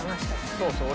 そうそう。